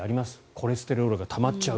コレステロールがたまっちゃう。